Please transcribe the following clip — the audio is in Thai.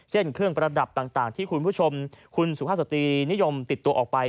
เช่นเครื่องประดับต่างที่คุณผู้ชมคุณสุภาพสตรีนิยมติดตัวออกไป